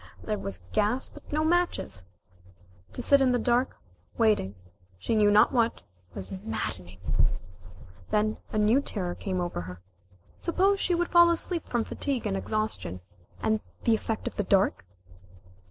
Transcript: There was gas, but no matches. To sit in the dark, waiting, she knew not what, was maddening. Then a new terror came over her. Suppose she should fall asleep from fatigue and exhaustion, and the effect of the dark?